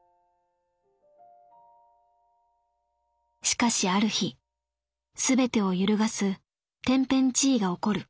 「しかしある日全てを揺るがす天変地異が起こる。